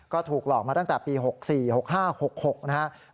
ก็ถูกหลอกมาตั้งแต่ปี๖๔๖๕๖๖นะครับ